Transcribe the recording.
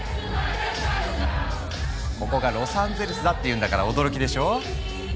ここがロサンゼルスだっていうんだから驚きでしょ？